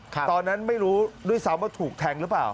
ครับตอนนั้นไม่รู้ด้วยซ้๋วเงียบว่าถูกแทง่หรือเปล่า